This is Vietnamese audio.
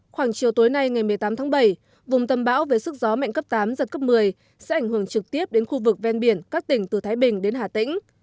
khoảng chiều tối nay ngày một mươi tám tháng bảy vùng tâm bão với sức gió mạnh cấp tám giật cấp một mươi sẽ ảnh hưởng trực tiếp đến khu vực ven biển các tỉnh từ thái bình đến hà tĩnh